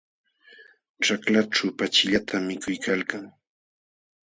Ćhaklaćhu pachillatam mikuykalkan.